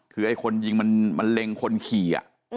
คือไอ้คนยิงมันเล็งคนขี่